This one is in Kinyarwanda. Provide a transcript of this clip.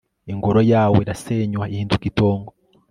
ingoro yawo irasenywa ihinduka itongo